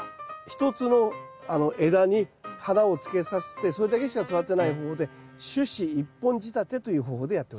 １つの枝に花をつけさせてそれだけしか育てない方法で主枝１本仕立てという方法でやっております。